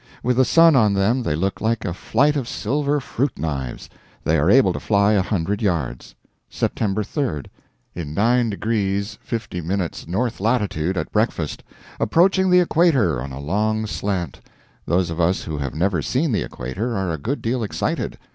With the sun on them they look like a flight of silver fruit knives. They are able to fly a hundred yards. Sept. 3. In 9 deg. 50' north latitude, at breakfast. Approaching the equator on a long slant. Those of us who have never seen the equator are a good deal excited.